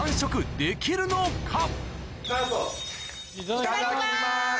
いただきます！